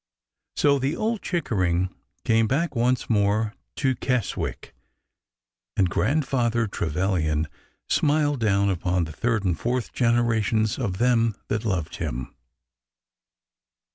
So the old Chickering came back once more to Kes wick, and Grandfather Trevilian smiled down upon the third and fourth generations of them that loved him.